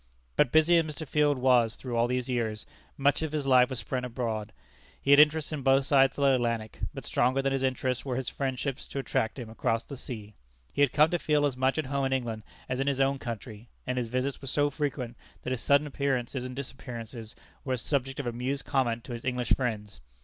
But busy as Mr. Field was through all these years, much of his life was spent abroad. He had interests on both sides of the Atlantic, but stronger than his interests were his friendships to attract him across the sea. He had come to feel as much at home in England as in his own country: and his visits were so frequent that his sudden appearances and disappearances were a subject of amused comment to his English friends.